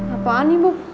apaan nih bu